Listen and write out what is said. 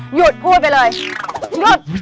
หยุดพูดไปเลยหยุด